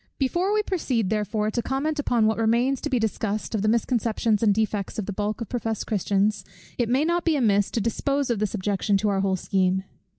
Before we proceed, therefore, to comment upon what remains to be discussed, of the misconceptions and defects of the bulk of professed Christians, it may not be amiss to dispose of this objection to our whole scheme.